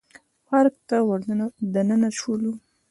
پارک ته ور دننه شولو.